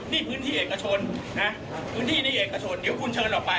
นี่พื้นที่เอกชนนะพื้นที่นี่เอกชนเดี๋ยวคุณเชิญออกไป